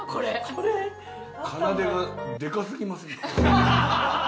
かなでがでかすぎませんか？